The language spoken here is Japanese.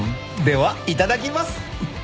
ではいただきます。